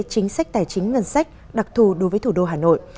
chính sách tài chính ngân sách đặc thù đối với thủ đô hà nội